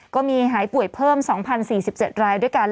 ก็มีหายป่วยเพิ่ม๒๐๔๗รายด้วยกัน